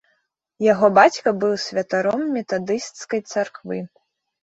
Яго бацька быў святаром метадысцкай царквы.